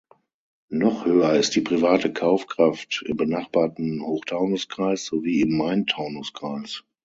Noch höher ist die private Kaufkraft im benachbarten Hochtaunuskreis sowie im Main-Taunus-Kreis.